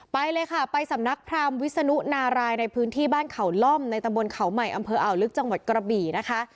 ไปเลยค่ะไปสำนักพรามวิศนุนารายในพื้นที่บ้านเขาล่อมในตำบลเขาใหม่อำเภออ่าวลึกจังหวัดกระบี่นะคะ